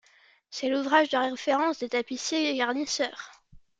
C'est l'ouvrage de référence des tapissiers garnisseurs.